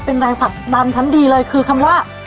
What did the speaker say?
เป็นแรงผลักดันชั้นดีเลยคือคำว่า